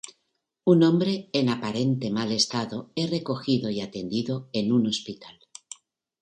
Un hombre en aparente mal estado es recogido y atendido en un hospital.